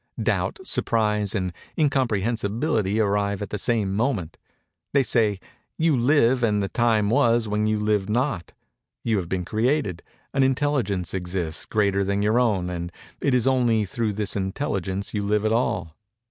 Doubt, Surprise and Incomprehensibility arrive at the same moment. They say:—"You live and the time was when you lived not. You have been created. An Intelligence exists greater than your own; and it is only through this Intelligence you live at all."